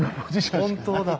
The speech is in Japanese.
本当だ。